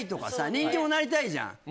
人気者なりたいじゃん